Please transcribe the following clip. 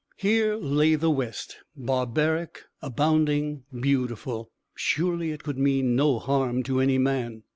Here lay the West, barbaric, abounding, beautiful. Surely it could mean no harm to any man.